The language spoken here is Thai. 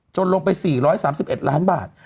ลงไป๔๓๑ล้านบาท